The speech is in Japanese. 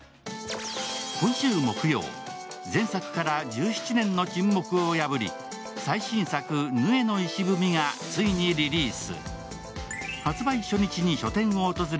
今週木曜、前作から１７年の沈黙を破り最新作「ぬえの碑」がついにリリース。